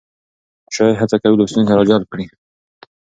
شاعر هڅه کوي لوستونکی راجلب کړي.